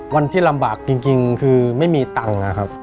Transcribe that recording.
วันที่ลำบากจริงคือไม่มีตังค์นะครับ